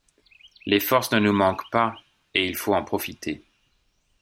Les forces ne nous manquent pas, et il faut en profiter.